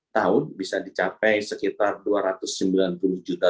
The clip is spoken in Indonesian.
tahun bisa dicapai sekitar dua ratus sembilan puluh juta